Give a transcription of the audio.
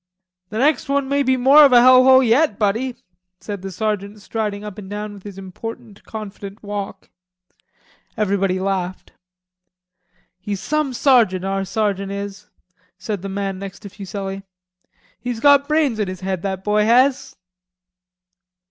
"The next one may be more of a hell hole yet, buddy," said the sergeant striding up and down with his important confident walk. Everybody laughed. "He's some sergeant, our sergeant is," said the man next to Fuselli. "He's got brains in his head, that boy has."